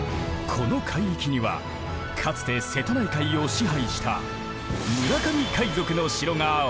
この海域にはかつて瀬戸内海を支配した村上海賊の城が多く残る。